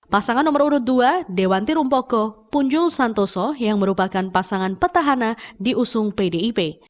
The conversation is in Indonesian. pasangan nomor urut dua dewanti rumpoko punjul santoso yang merupakan pasangan petahana diusung pdip